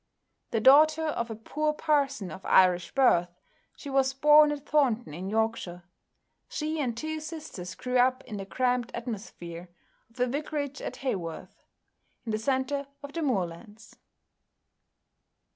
The daughter of a poor parson of Irish birth, she was born at Thornton in Yorkshire. She and two sisters grew up in the cramped atmosphere of a vicarage at Haworth, in the centre of the moorlands.